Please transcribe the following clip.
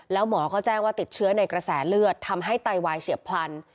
แล้วหมอก็แจ้งว่าติดเชื้อในกระแสเลือดทำให้ไตวายเฉียบพลัน